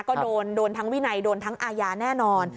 ก็โดนโดนทั้งวินัยโดนทั้งอาญาแน่นอน